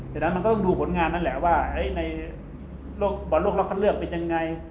ฉะนั้นมันก็ต้องดูผลงานนั่นแหละว่าในโลกบอลโลกรอบคัดเลือกเป็นยังไง